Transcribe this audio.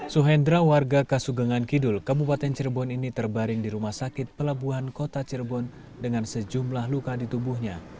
suhendra warga kasugengan kidul kabupaten cirebon ini terbaring di rumah sakit pelabuhan kota cirebon dengan sejumlah luka di tubuhnya